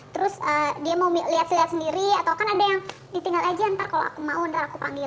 terus dia mau lihat lihat sendiri atau kan ada yang ditinggal aja ntar kalau aku mau ntar aku panggil